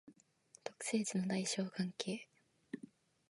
特性値の大小関係